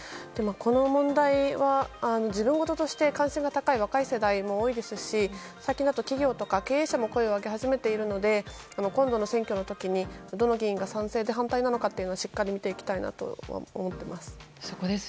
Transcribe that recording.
この問題は、自分事として関心が高い若い世代も多いですし最近だと企業や経営者も上げ始めているので今度の選挙の時にどの議員が賛成で反対かしっかり見ていきたいなと思っています。